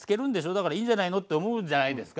だからいいんじゃないの？って思うじゃないですか。